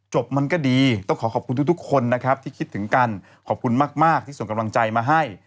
มันก็ดีต้องขอขอบคุณทุกคนนะครับที่คิดถึงกันขอบคุณมากที่ส่งกำลังใจมาให้